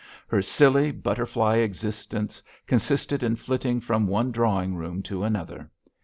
Her silly, butterfly existence consisted in flitting from one drawing room to another.